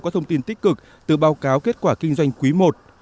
có thông tin tích cực từ báo cáo kết quả kinh doanh quý i